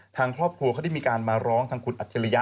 ทางครอบครัวเขาได้มีการมาร้องทางคุณอัจฉริยะ